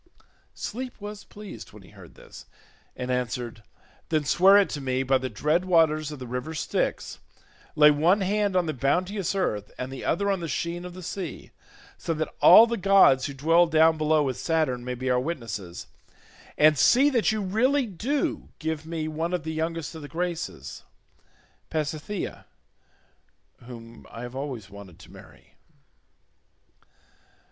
Sleep was pleased when he heard this, and answered, "Then swear it to me by the dread waters of the river Styx; lay one hand on the bounteous earth, and the other on the sheen of the sea, so that all the gods who dwell down below with Saturn may be our witnesses, and see that you really do give me one of the youngest of the Graces—Pasithea, whom I have always wanted to marry."